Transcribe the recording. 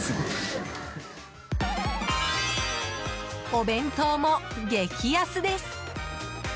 お弁当も激安です。